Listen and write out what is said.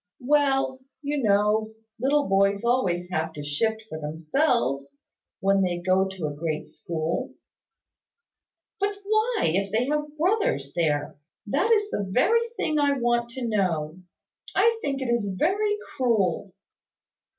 "Well, you know, little boys always have to shift for themselves when they go to a great school " "But why, if they have brothers there? That is the very thing I want to know. I think it is very cruel."